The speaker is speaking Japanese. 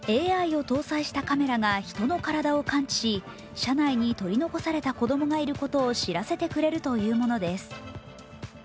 ＡＩを搭載したカメラが人の体を感知し、車内に取り残された子供がいることを知らせてくれるというものです。